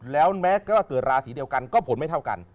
แล้วแม้ก็ว่าเกิดราศีเดียวกันก็ผลไม่เท่ากัน